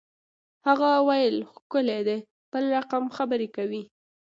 هغه ویل ښکلی دی بل رقم خبرې کوي